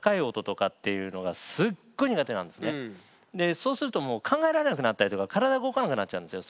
そうするともう考えられなくなったりとか体が動かなくなっちゃうんですよ。